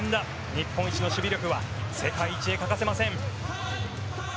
日本一の守備力は世界一へ欠かせません。